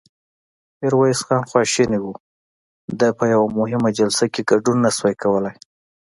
ميرويس خان خواشينی و، ده په يوه مهمه جلسه کې ګډون نه شوای کولای.